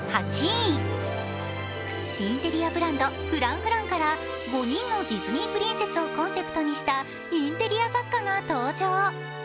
インテリアブランドＦｒａｎｃｆｒａｎｃから、５人のディズニープリンセスをコンセプトにしたインテリア雑貨が登場。